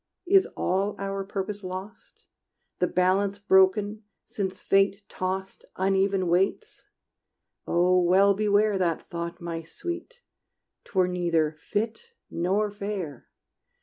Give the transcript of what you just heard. Is all our purpose lost? The balance broken, since Fate tossed Uneven weights? Oh well beware That thought, my sweet: 't were neither fit nor fair!